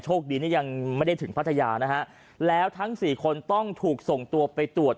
คดีนี่ยังไม่ได้ถึงพัทยานะฮะแล้วทั้งสี่คนต้องถูกส่งตัวไปตรวจ